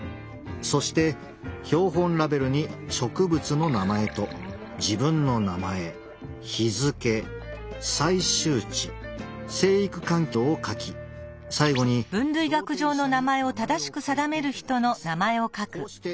そして標本ラベルに植物の名前と自分の名前日付採集地生育環境を書き最後に同定者に名前を書いていただきます。